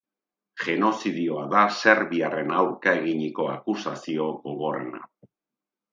Genozidioa da serbiarren aurka eginiko akusazio gogorrena.